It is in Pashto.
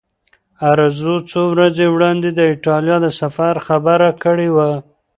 ارزو څو ورځې وړاندې د ایټالیا د سفر خبره کړې وه.